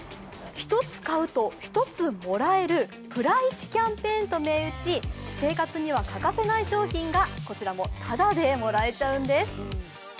１つ買うと１つもらえるプライチキャンペーンと銘打ち生活には欠かせない商品がこちらもただでもらえちゃうんです。